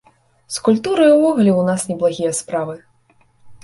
З культурай увогуле ў нас неблагія справы.